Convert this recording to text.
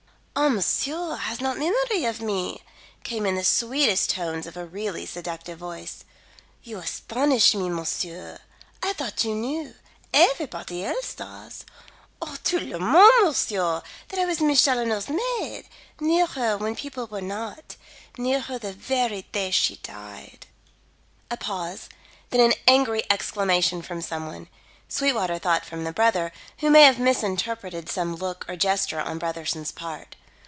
"Ah, monsieur has not memory of me," came in the sweetest tones of a really seductive voice. "You astonish me, monsieur. I thought you knew everybody else does Oh, tout le monde, monsieur, that I was Miss Challoner's maid near her when other people were not near her the very day she died." A pause; then an angry exclamation from some one. Sweetwater thought from the brother, who may have misinterpreted some look or gesture on Brotherson's part.